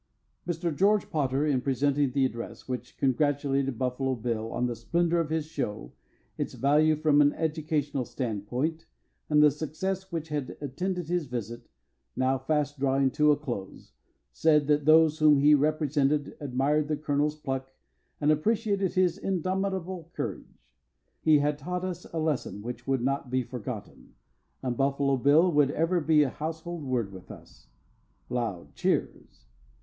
Mr. George Potter, in presenting the address which congratulated Buffalo Bill on the splendor of his show, its value from an educational standpoint, and the success which had attended his visit, now fast drawing to a close, said that those whom he represented admired the colonel's pluck and appreciated his indomitable courage. He had taught us a lesson which would not be forgotten, and Buffalo Bill would ever be a household word with us. (Loud cheers.)